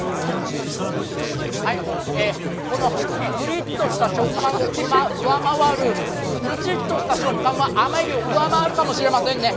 このぷりっとした食感を上回るむちっとした食感も甘エビを上回るかもしれません。